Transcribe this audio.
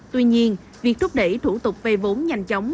tuy nhiên việc thúc đẩy thủ tục vây vốn nhanh chóng